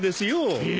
ええ？